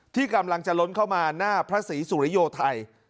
ที่กำลังจะล้นเข้ามาหน้าพระศรีสุริโยไทย